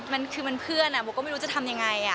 มันคือมันเพื่อนโบก็ไม่รู้จะทำยังไง